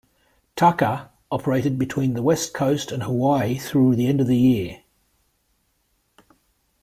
"Tucker" operated between the West Coast and Hawaii through the end of the year.